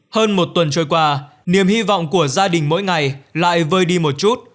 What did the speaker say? hơn một tuần trôi qua niềm hy vọng của gia đình mỗi ngày lại vơi đi một chút